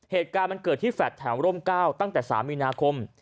เหตุการณ์มันเกิดที่แฟลตแถวร่ม๙ตั้งแต่๓มีนาคม